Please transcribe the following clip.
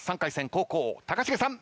後攻高重さん